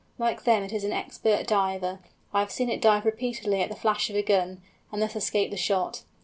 Like them it is an expert diver—I have seen it dive repeatedly at the flash of a gun, and thus escape the shot.